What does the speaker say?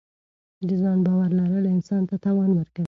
د ځان باور لرل انسان ته توان ورکوي.